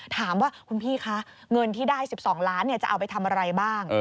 ถามว่าคุณพี่คะเงินที่ได้๑๒ล้านจะเอาไปทำอะไรบ้าง